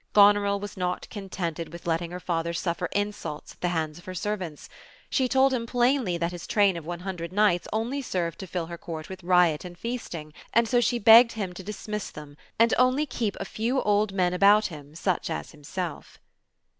Goneril was not contented with letting her father suffer insults at the hands of her servants. She told him plainly that his train of one hundred knights only served to fill her Court with riot and feasting; and so she begged him to dismiss them, and only keep a few old men about him such as himself.